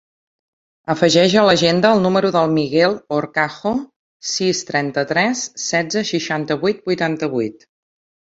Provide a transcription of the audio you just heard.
Afegeix a l'agenda el número del Miguel Horcajo: sis, trenta-tres, setze, seixanta-vuit, vuitanta-vuit.